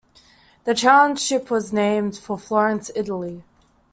The township was named for Florence, Italy.